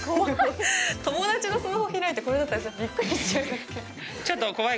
友達のスマホ開いてこれだったらちょっとびっくりしますけど。